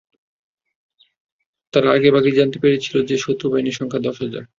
তারা আগেভাগেই জানতে পেরেছিলেন যে, শত্রুবাহিনীর সংখ্যা দশ হাজার।